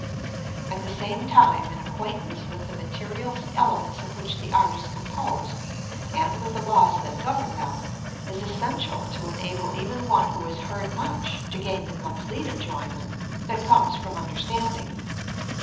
At the same time, an acquaintance with the materials and elements of which the art is composed and with the laws that govern them, is essential to enable even one who has heard much to gain the complete enjoyment that comes from understanding.